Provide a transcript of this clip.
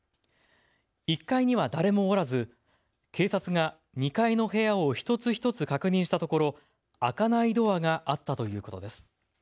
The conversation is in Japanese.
１階には誰もおらず、警察が２階の部屋を一つ一つ確認したところ、開かないドアがあったということです。